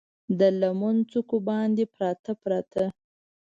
د لمن څوکو باندې، پراته، پراته